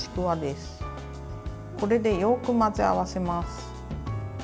これでよく混ぜ合わせます。